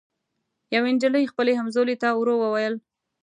یوې نجلۍ خپلي همزولي ته ورو ووېل